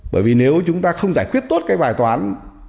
bởi vì nếu chúng ta không giải quyết tốt cái bài toán